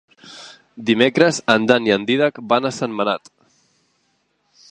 Dimecres en Dan i en Dídac van a Sentmenat.